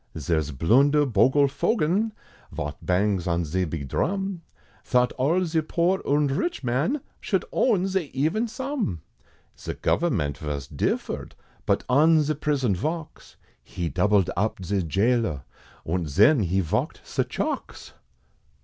Zare's Blunder Bogle Fogen, Vot bangs on ze big dhrum, Thought all ze poor, und rich man, Should own ze even sum; Ze government vos differed, But on ze prison valks, He doubled up ze gaoler, Und zen, he valked ze chalks!